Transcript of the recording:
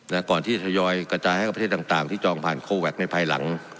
ก่อนที่จะทยอยกระจายให้กับประเทศต่างต่างที่จองผ่านโคแวคในภายหลัง